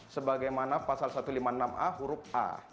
sebagaimana pasal satu ratus lima puluh enam a huruf a